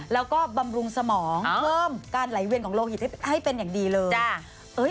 แล้วก็บำรุงสมองเพิ่มการไหลเวียนของโลหิตให้เป็นอย่างดีเลย